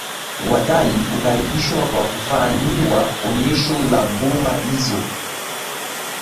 Watalii hukaribishwa kwa kufanyiwa onesho la ngoma hizo